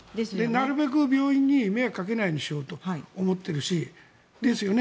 なるべく病院に迷惑かけないようにしようと思っているし。